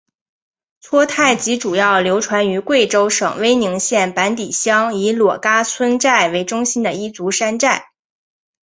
撮泰吉主要流传于贵州省威宁县板底乡以裸戛村寨为中心的彝族山寨。